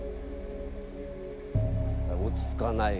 「落ち着かない」